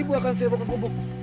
ibu akan siapkan kubuk